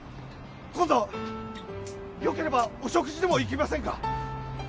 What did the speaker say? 今度よければお食事でも行きませんか？